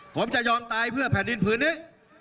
ผมจะยอมตายเพื่อแผ่นดินผืนนี้